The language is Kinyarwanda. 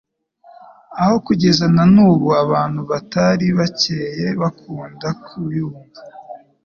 aho kugeza na nubu abantu batari bakeye bakunda kuyumva